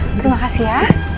iya terima kasih ya